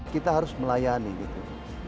kita harus melayani gitu